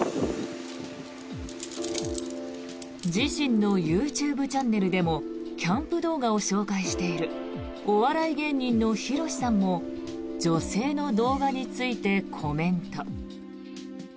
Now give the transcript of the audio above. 自身のＹｏｕＴｕｂｅチャンネルでもキャンプ動画を紹介しているお笑い芸人のヒロシさんも女性の動画についてコメント。